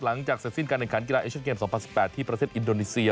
หลังจากเสร็จสิ้นการแข่งขันกีฬาเอชั่นเกม๒๐๑๘ที่ประเทศอินโดนีเซีย